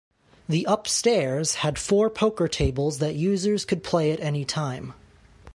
The Upstairs had four poker tables that users could play at any time.